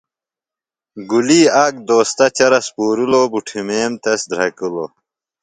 گُلی آک دوستہ چرس پُورِلوۡ بُٹھیم تس دھرکِلوۡ۔